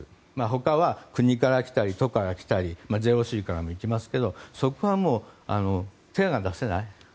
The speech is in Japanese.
他は国から来たり、都から来たりＪＯＣからも来ますけどそこは手が出せない。